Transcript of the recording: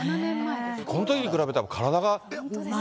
このときに比べたら体が。